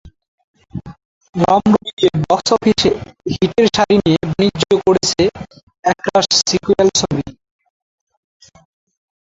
রমরমিয়ে box অফিসে হিটের সারি নিয়ে বাণিজ্য করেছে একরাশ সিক্যুয়েল ছবি।